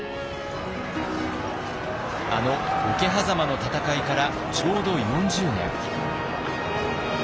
あの桶狭間の戦いからちょうど４０年。